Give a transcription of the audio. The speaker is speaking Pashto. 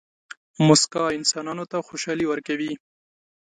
موسکا انسانانو ته خوشحالي ورکوي.